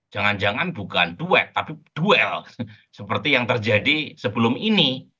jangan jangan bukan duet tapi duel seperti yang terjadi sebelum ini